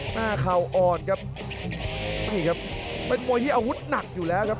เข่าอ่อนครับนี่ครับเป็นมวยที่อาวุธหนักอยู่แล้วครับ